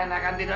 enak kan tidur